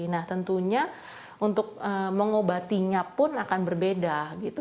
nah tentunya untuk mengobatinya pun akan berbeda gitu